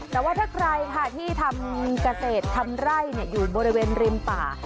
แต่ว่าถ้าใครค่ะที่ทำเกษตรทำไร่อยู่บริเวณริมป่า